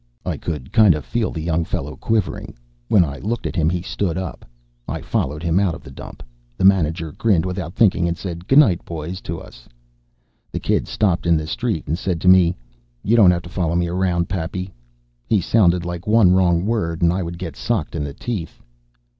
I could kind of feel the young fellow quivering. When I looked at him, he stood up. I followed him out of the dump. The manager grinned without thinking and said, "G'night, boys," to us. The kid stopped in the street and said to me: "You don't have to follow me around, Pappy." He sounded like one wrong word and I would get socked in the teeth.